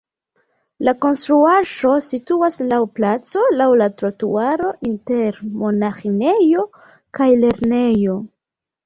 La konstruaĵo situas laŭ placo laŭ la trotuaro inter monaĥinejo kaj lernejo.